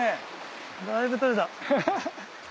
だいぶ取れた。